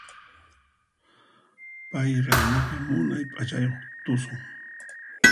Pay raymipi munay p'achayuq tusun.